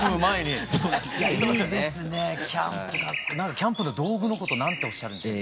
キャンプの道具のこと何ておっしゃるんですか？